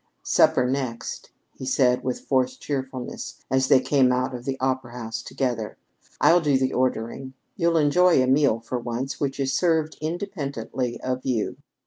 "Supper next," he said with forced cheerfulness as they came out of the opera house together. "I'll do the ordering. You'll enjoy a meal for once which is served independently of you."